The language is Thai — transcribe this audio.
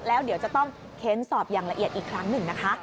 แล้วเดี๋ยวจะต้องเค้นสอบอย่างละเอียดอีกครั้งหนึ่งนะคะ